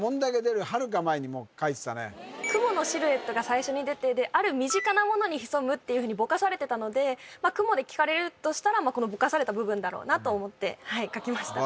もう全然クモのシルエットが最初に出てある身近なものに潜むってぼかされてたのでクモで聞かれるとしたらこのぼかされた部分だろうなと思って書きました